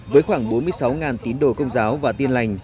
với khoảng bốn mươi sáu tín đồ công giáo và tin lành